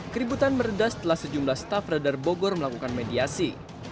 keributan meredah setelah sejumlah staf radar bogor melakukan mediasi